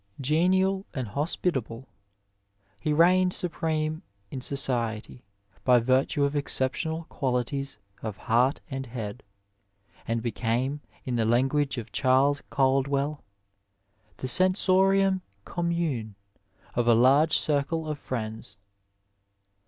Gonial and hospitable, he reigned supreme in society by virtue of exceptional qualities of heart and head, and became, in the language of Charles Caldwell, ^^the senaomtm commune of a large circle of friends."